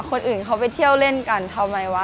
คนอื่นเขาไปเที่ยวเล่นกันทำไมวะ